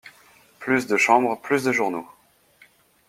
Plus de Chambre, plus de journaux!